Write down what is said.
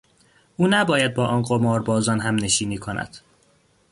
او نباید با آن قماربازان همنشینی کند.